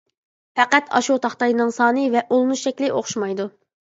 پەقەت ئاشۇ تاختاينىڭ سانى ۋە ئۇلىنىش شەكلى ئوخشىمايدۇ.